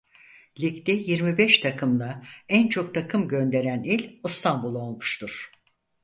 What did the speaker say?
Ligde yirmi beş takımla en çok takım gönderen il İstanbul olmuştur.